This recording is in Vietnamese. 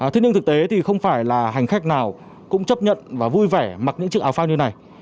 thế nhưng thực tế thì không phải là hành khách nào cũng chấp nhận và vui vẻ mặc những chiếc áo phao như này